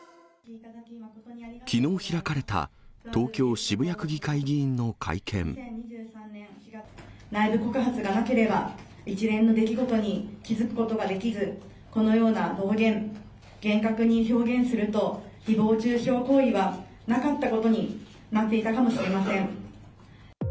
きのう開かれた、内部告発がなければ、一連の出来事に気付くことができず、このような暴言、厳格に表現するとひぼう中傷行為は、なかったことになっていたかもしれません。